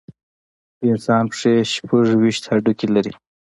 د انسان پښې شپږ ویشت هډوکي لري.